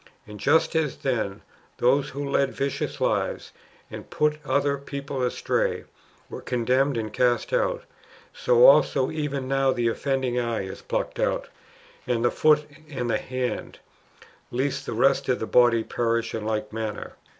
And just as then, those who led vicious lives, and put other people astray, were condemned and cast out, so also even now the offending eye is plucked out, and the foot and the hand, lest the rest of the body perish in like manner.